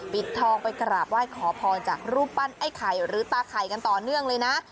ปิดทองไปกราบไหว้ขอพรจากรูปปั้นไอ้ไข่หรือตาไข่กันต่อเนื่องเลยนะ